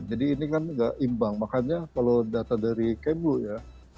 jadi ini kan tidak imbang makanya kalau data dari kembu ya